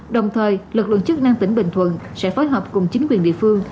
đồng thời lực lượng chức năng tỉnh bình thuận sẽ phối hợp cùng chính quyền địa phương